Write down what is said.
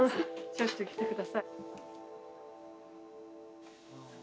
しょっちゅう来てください。